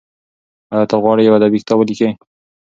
ایا ته غواړې یو ادبي کتاب ولیکې؟